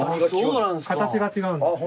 形が違うんです。